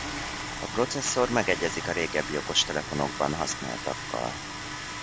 A processzor megegyezik a régebbi okostelefonokban használtakkal.